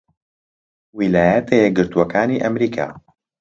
ویلایەتە یەکگرتووەکانی ئەمریکا